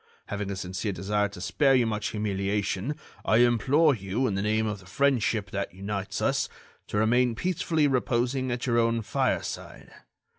"Having a sincere desire to spare you such humiliation, I implore you, in the name of the friendship that unites us, to remain peacefully reposing at your own fireside.